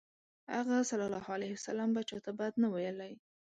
هغه ﷺ به چاته بد نه ویلی.